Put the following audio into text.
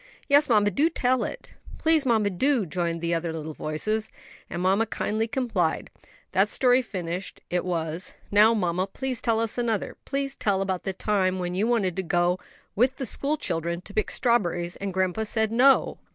"Yes, mamma, do tell it." "Please mamma, do," joined in the other little voices; and mamma kindly complied. That story finished, it was, "Now, mamma, please tell another; please tell about the time when you wanted to go with the school children to pick strawberries, and grandpa said 'No.'"